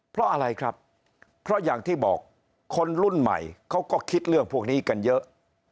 เพราะอะไรครับเพราะอย่างที่บอกคนรุ่นใหม่เขาก็คิดเรื่องพวกนี้กันเยอะ